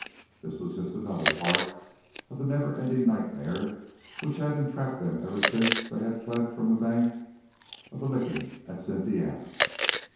This was just another part of the never ending nightmare which had entrapped them ever since they had fled from the bank of the Licking at Cynthiana.